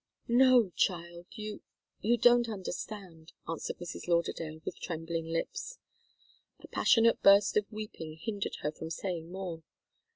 "No child you you don't understand!" answered Mrs. Lauderdale, with trembling lips. A passionate burst of weeping hindered her from saying more.